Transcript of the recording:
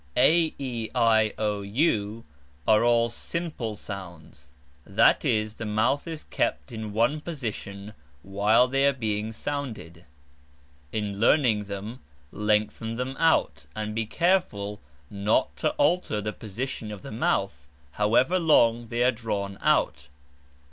a, e, i, o, u are all simple sounds, that is, the mouth is kept in one position while they are being sounded. In learning them lengthen them out, and be careful not to alter the position of the mouth, however long they are drawn out.